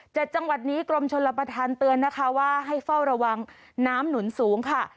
จังหวัดนี้กรมชนรับประทานเตือนนะคะว่าให้เฝ้าระวังน้ำหนุนสูงค่ะ